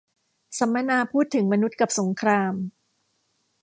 สัมมนาพูดถึงมนุษย์กับสงคราม